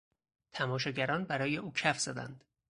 تماشاگران برای او کف زدند.